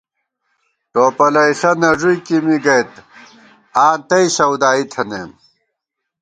ٹوپَلَئیݪہ نہ ݫُوئیکے می گئیت آں تئ سودائی تھنَئیم